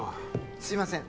すいません